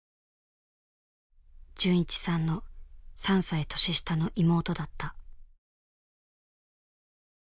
循一さんの３歳年下の妹だった。